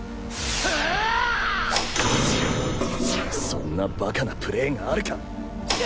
そんな馬鹿なプレーがあるか